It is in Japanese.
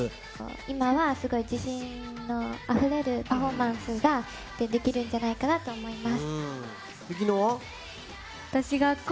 今はすごい自信のあふれるパフォーマンスができるんじゃないかなと思います。